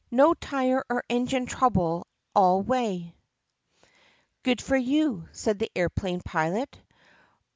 "No tire or engine trouble all the way." "Good for you," said the aeroplane pilot.